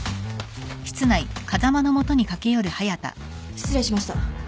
失礼しました。